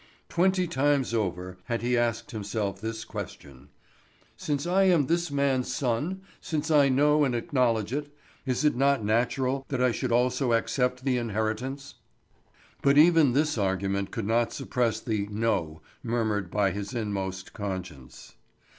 Twenty times over had he asked himself this question: "Since I am this man's son, since I know and acknowledge it, is it not natural that I should also accept the inheritance?" But even this argument could not suppress the "No" murmured by his inmost conscience.